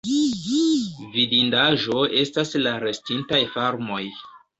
Vidindaĵo estas la restintaj farmoj.